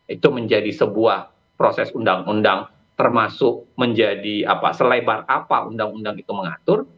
itu menjadi sebuah proses undang undang termasuk menjadi selebar apa undang undang itu mengatur